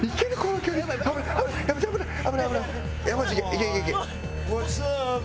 いけいけいけ！